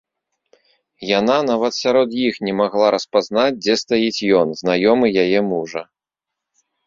Яна нават сярод іх не магла распазнаць, дзе стаіць ён, знаёмы яе мужа.